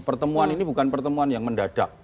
pertemuan ini bukan pertemuan yang mendadak